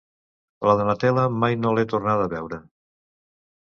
La Donatella mai no l'he tornada a veure.